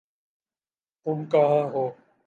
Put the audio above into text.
تم کہاں ہو؟